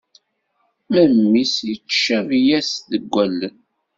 Memmi-s yettcabi-as deg wallen.